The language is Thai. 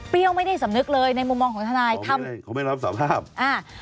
เปรี้ยวไม่ได้สำนึกเลยในมุมมองของท่านายไม่ได้เขาไม่รับสารภาพ